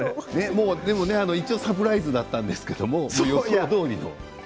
一応サプライズだったんですけど予想どおりの？